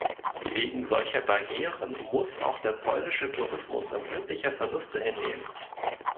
Wegen solcher Barrieren muss auch der polnische Tourismus empfindliche Verluste hinnehmen.